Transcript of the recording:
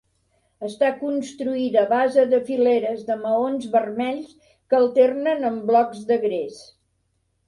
Està construïda a base de fileres de maons vermells que alternen amb blocs de gres.